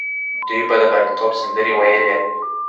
دوی به د بریالیتوب سندرې ویلې.